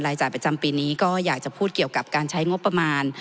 จ่ายประจำปีนี้ก็อยากจะพูดเกี่ยวกับการใช้งบประมาณ